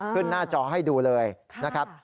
หน้าจอให้ดูเลยนะครับ